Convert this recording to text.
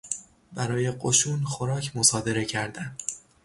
برای قشون خوراک مصادره کردن